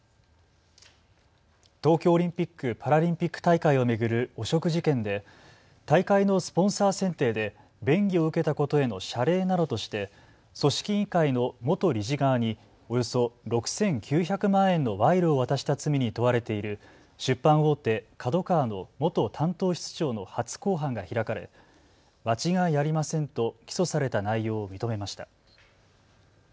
東京オリンピック・パラリンピック大会を巡る汚職事件で大会のスポンサー選定で便宜を受けたことへの謝礼などとして組織委員会の元理事側におよそ６９００万円の賄賂を渡した罪に問われている出版大手、ＫＡＤＯＫＡＷＡの元担当室長の初公判が開かれ間違いありませんと起訴された内容を認めました。